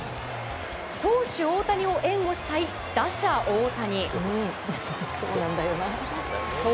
投手・大谷を援護したい打者・大谷。